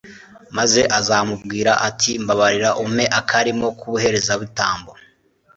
maze azamubwire ati mbabarira, umpe akarimo k'ubuherezabitambo